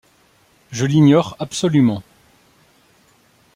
Je l'ignore absolument.